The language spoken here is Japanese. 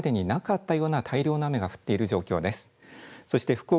これまでになかったような大量の雨が降っている状況です。